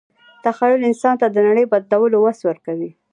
تخیل انسان ته د نړۍ د بدلولو وس ورکړی.